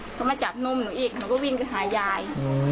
เขามาจับนุ่มหนูอีกหนูก็วิ่งไปหายาย